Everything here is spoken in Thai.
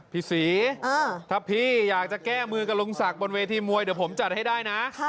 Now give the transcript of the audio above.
พี่ศรีถ้าพี่อยากจะแก้มือกับลุงศักดิ์บนเวทีมวยเดี๋ยวผมจัดให้ได้นะ